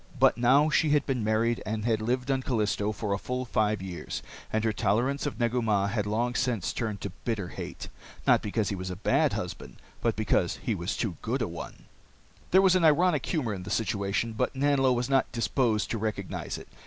But now she had been married, and had lived on Callisto, for a full five years, and her tolerance of Negu Mah had long since turned to bitter hate. Not because he was a bad husband, but because he was too good a one! There was an ironic humor in the situation, but Nanlo was not disposed to recognize it.